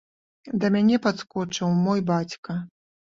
Да мяне падскочыў мой бацька.